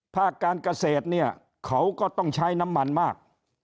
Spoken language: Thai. ภาคการเกษตรเนี่ยเขาก็ต้องใช้น้ำมันมาก